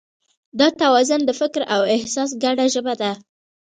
دا توازن د فکر او احساس ګډه ژبه ده.